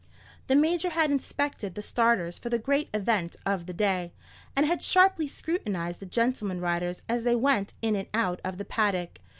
The Major had inspected the starters for the great event of the day, and had sharply scrutinized the gentleman riders as they went in and out of the paddock.